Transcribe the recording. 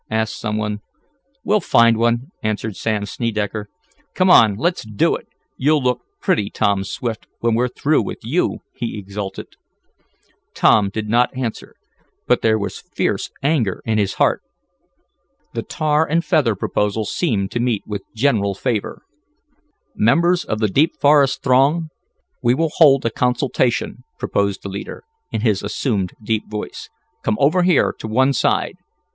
asked some one. "We'll find one," answered Sam Snedecker. "Come on, let's do it. You'll look pretty, Tom Swift, when we're through with you," he exulted. Tom did not answer, but there was fierce anger in his heart. The tar and feather proposal seemed to meet with general favor. "Members of the Deep Forest Throng, we will hold a consultation," proposed the leader, in his assumed deep voice. "Come over here, to one side.